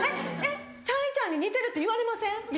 「えっｃｈａｙちゃんに似てるって言われません？」